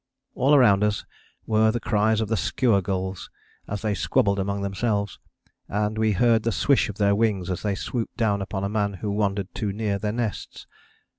All round us were the cries of the skua gulls as they squabbled among themselves, and we heard the swish of their wings as they swooped down upon a man who wandered too near their nests.